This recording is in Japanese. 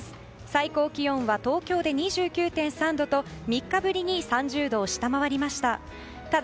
最高気温は東京で２９．３度と３日ぶりに３０度を下回りました。